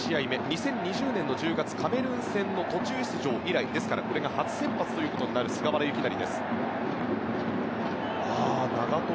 ２０２０年１０月のカメルーン戦の途中出場以来ですからこれが初先発となる菅原由勢。